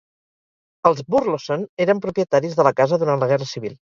Els Burleson eren propietaris de la casa durant la Guerra Civil.